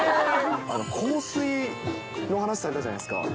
香水の話されたじゃないですか。